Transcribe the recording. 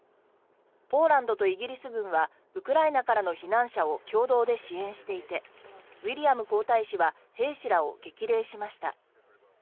ポーランドとイギリス軍はウクライナからの避難者を共同で支援していてウィリアム皇太子は兵士らを激励しました。